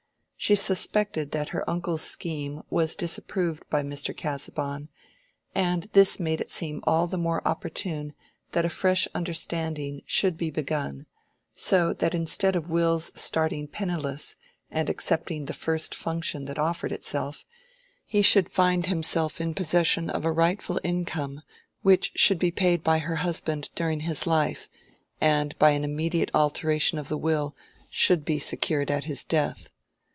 She suspected that her uncle's scheme was disapproved by Mr. Casaubon, and this made it seem all the more opportune that a fresh understanding should be begun, so that instead of Will's starting penniless and accepting the first function that offered itself, he should find himself in possession of a rightful income which should be paid by her husband during his life, and, by an immediate alteration of the will, should be secured at his death.